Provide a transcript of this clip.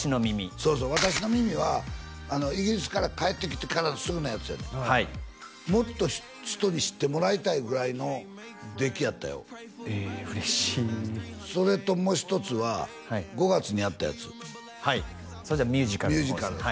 そうそう「わたしの耳」はイギリスから帰ってきてからすぐのやつやねんもっと人に知ってもらいたいぐらいの出来やったよえっ嬉しいそれともう一つは５月にやったやつはいそっちはミュージカルの方です